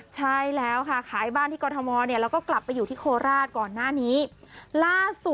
ใช่แล้วค่ะขายบ้านที่กรรภมรแล้วก็กลับไปอยู่ที่โคลาส